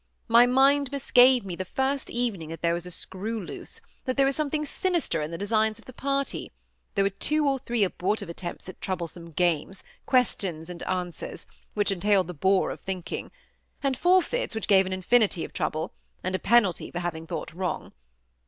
My mind misgave me the first evening that there was a screw loose, — that there was something sinister in the designs of the party. There were two or three abortive attempts at troublesome games, questions and answers, which entailed the bore of thinking ; and forfeits which gave an infinity of trouble, as a penalty for having thought wrong.